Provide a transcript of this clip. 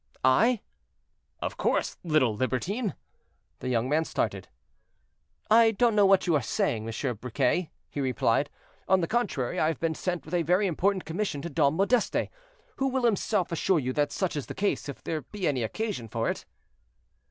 "I?" "Of course, little libertine." The young man started. "I don't know what you are saying, Monsieur Briquet," he replied; "on the contrary, I have been sent with a very important commission by Dom Modeste, who will himself assure you that such is the case, if there be any occasion for it."